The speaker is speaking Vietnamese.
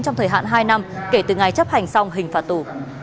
trong thời hạn hai năm kể từ ngày chấp hành xong hình phạt tù